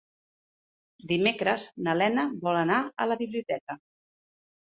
Dimecres na Lena vol anar a la biblioteca.